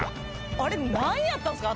あれなんやったんすか？